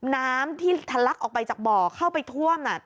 น้ำที่ทะลักออกไปจากบ่อเข้าไปท่วม